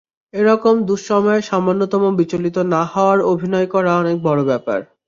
এরকম দুঃসময়ে সামান্যতম বিচলিত না হওয়ার অভিনয় করা অনেক বড় ব্যাপার।